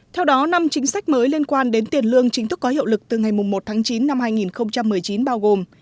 theo đó năm chính sách mới liên quan đến tiền lương chính thức có hiệu lực từ ngày một tháng chín năm hai nghìn một mươi chín bao gồm